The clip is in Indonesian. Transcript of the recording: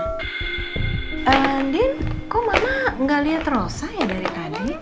eee din kok mama gak liat rosa ya dari tadi